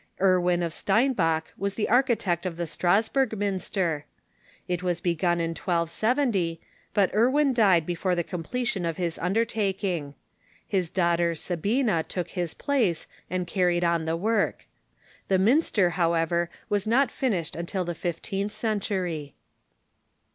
Er win of Steinbach was the architect of the Strasburg minster. It was begun in 1270, but Erwin died before the completion of his undertaking. His daughter Sabina took his place and carried on his work. The minster, however, was not finished until the fifteenth century.